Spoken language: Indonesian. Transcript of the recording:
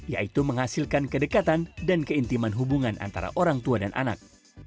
yaitu menghasilkan kedekatan dan keintiman hubungan antara orang tua dan anak